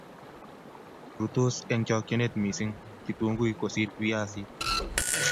Rurtos eng chokchinet missing kitunguik kosir viasik